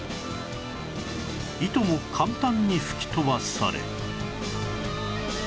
いとも簡単に吹き飛ばされ